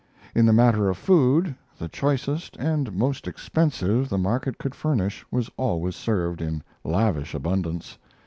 In the matter of food, the choicest, and most expensive the market could furnish was always served in lavish abundance.